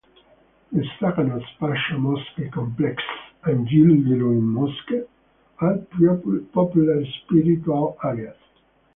The Zaganos Pasha Mosque Complex and Yildirim Mosque are popular spiritual areas.